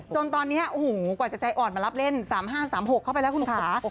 จนตอนนี้โอ้โหกว่าจะใจอ่อนมารับเล่น๓๕๓๖เข้าไปแล้วคุณอุ๋า